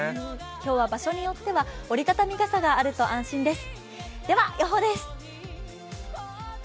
今日は場所によっては折り畳み傘があると安心です。